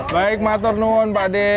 baik maturnuun pak d